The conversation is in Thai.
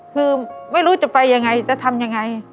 คือไม่รู้จะไปยังไงจะทำยังไง